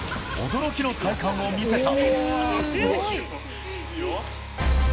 驚きの体幹を見せた。